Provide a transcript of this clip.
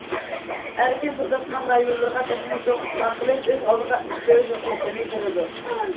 ئەركىن سودا سىناق رايونلىرىغا تېخىمۇ چوڭ ئىسلاھ قىلىش، ئۆز ئالدىغا ئىش كۆرۈش ھوقۇقىنى بېرىدۇ.